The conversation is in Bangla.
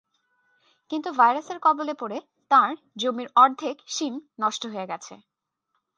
কিন্তু ভাইরাসের কবলে পড়ে তাঁর জমির অর্ধেক শিম নষ্ট হয়ে গেছে।